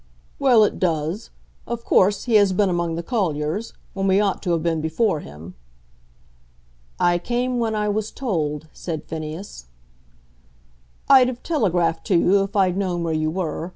"Well, it does. Of course, he has been among the colliers, when we ought to have been before him." "I came when I was told," said Phineas. "I'd have telegraphed to you if I'd known where you were.